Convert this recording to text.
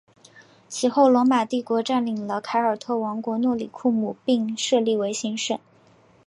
其后罗马帝国占领了凯尔特王国诺里库姆并设立为行省。